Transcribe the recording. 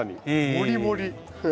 もりもり。